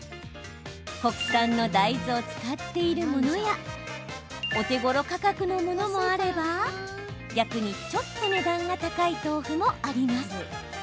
国産の大豆を使っているものやお手ごろ価格のものもあれば逆にちょっと値段が高い豆腐もあります。